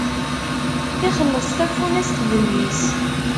Ixelleṣ tafunast d mmi-s!